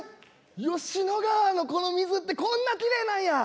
吉野川のこの水ってこんなきれいなんや。